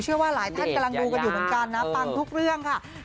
เชื่อว่าหลายแทนกำลังอยู่กันกันนะปังทุกเรื่องค่ะอยู่ให้เห็นยายา